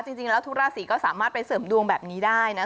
จริงแล้วทุกราศีก็สามารถไปเสริมดวงแบบนี้ได้นะ